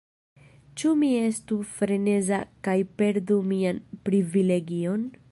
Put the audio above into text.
Ĉu mi estu freneza kaj perdu mian privilegion?